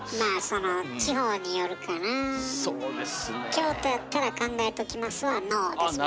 京都やったら「考えときます」は「ＮＯ」ですもんね。